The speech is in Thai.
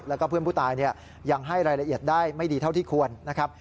แล้วก็เพื่อนผู้ตายยังให้รายละเอียดได้ไม่ดีเท่าที่ควรนะครับ